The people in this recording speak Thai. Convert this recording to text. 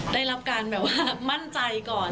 ได้รับการแบบว่ามั่นใจก่อน